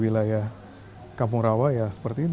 wilayah kampung rawa ya seperti ini